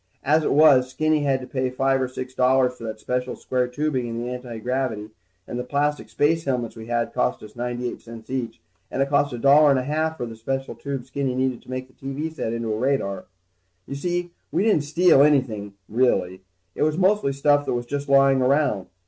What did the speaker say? As it was, Skinny had to pay five or six dollars for that special square tubing in the antigravity, and the plastic space helmets we had cost us ninety eight cents each. And it cost a dollar and a half for the special tube that Skinny needed to make the TV set into a radar. You see, we didn't steal anything, really. It was mostly stuff that was just lying around.